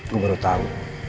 gue baru tahu